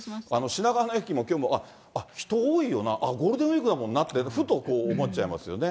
品川の駅も、きょう、人、多いよな、あっ、ゴールデンウィークだもんなって、ふとこう、思っちゃいますよね。